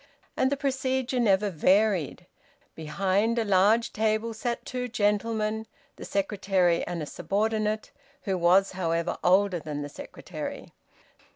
And the procedure never varied. Behind a large table sat two gentlemen, the secretary and a subordinate, who was, however, older than the secretary.